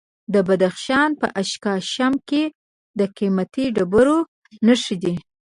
د بدخشان په اشکاشم کې د قیمتي ډبرو نښې دي.